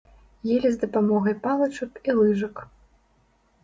Елі з дапамогай палачак і лыжак.